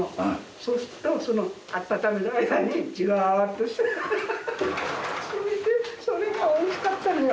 そうするとその温める間にジワッとしてそれがおいしかったのよ。